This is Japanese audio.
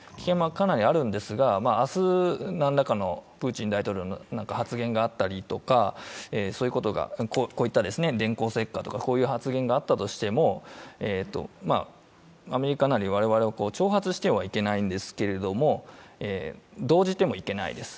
かなりあるんですが、明日、何らかのプーチン大統領の発言があったりとか、こういった電光石火とかこういう発言があったとしてもアメリカなり我々は、挑発してはいけないんですけれども、動じてもいけないです。